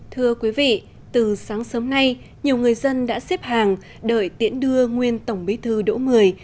thưa quý vị từ sáng sớm nay nhiều người dân đã xếp hàng đợi tiễn đưa nguyên tổng bí thư đỗ mười